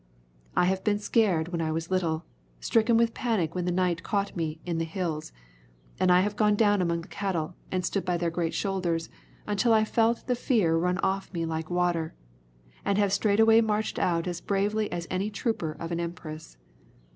I have been scared when I was little, stricken with panic when night caught me on the hills, and have gone down among the cattle and stood by their great shoulders until I felt the fear run off me like water, and have straightway marched out as brave as any trooper of an empress.